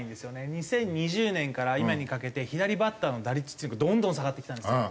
２０２０年から今にかけて左バッターの打率っていうのがどんどん下がってきたんですよ。